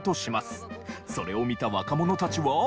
それを見た若者たちは。